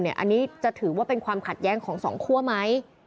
อันนี้จะถือว่าเป็นความขัดแย้งของสองคั่วไหม